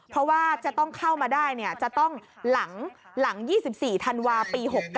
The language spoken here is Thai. เพราะว่าจะต้องเข้ามาได้จะต้องหลัง๒๔ธันวาคมปี๖๙